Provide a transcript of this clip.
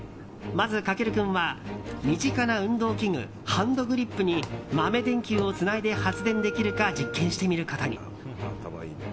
まず駆君は、身近な運動器具ハンドグリップに豆電球をつないで発電できるか実験してみることに。